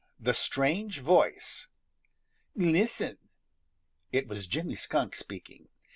THE STRANGE VOICE |LISTEN!" It was Jimmy Skunk speaking.